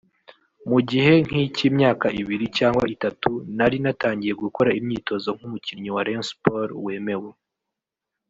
Mu gihe nk’icy’imyaka ibiri cyangwa itatu nari natangiye gukora imyitozo nk’umukinnyi wa Rayon Sports wemewe